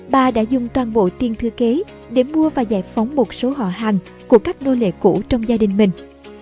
bà đã dùng toàn bộ tiền thư kế để mua và giải phóng một số họ hàng của các nô lệ cũ trong gia đình mình